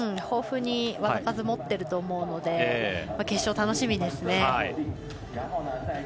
豊富に技数を持っていると思うので決勝、楽しみですね。